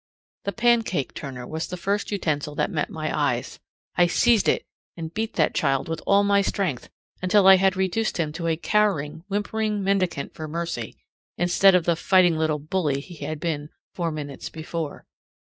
The pancake turner was the first utensil that met my eyes. I seized it and beat that child with all my strength, until I had reduced him to a cowering, whimpering mendicant for mercy, instead of the fighting little bully he had been four minutes before.